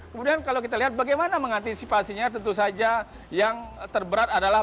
kemudian kalau kita lihat bagaimana mengantisipasinya tentu saja yang terberat adalah